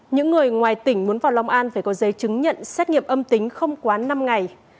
những người ngoài tỉnh muốn vào long an phải có giấy chứng nhận xét nghiệm âm tính không quá năm ngày